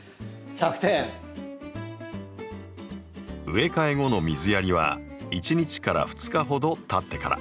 植え替え後の水やりは１日２日ほどたってから。